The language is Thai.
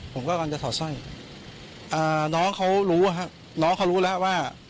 ผมก็กำลังจะถอดสร้อยน้องเขารู้ครับน้องเขารู้แล้วว่า